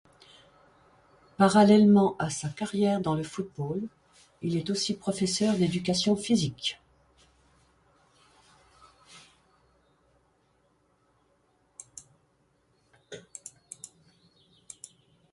Parallèlement à sa carrière dans le football, il est aussi professeur d’éducation physique.